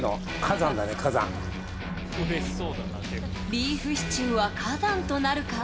ビーフシチューは火山となるか。